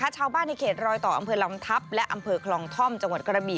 ชาวบ้านในเขตรอยต่ออำเภอลำทัพและอำเภอคลองท่อมจังหวัดกระบี่